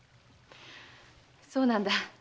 そうなんだ。